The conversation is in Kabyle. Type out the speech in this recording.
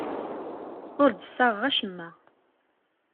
Ur d-ssaɣeɣ acemma.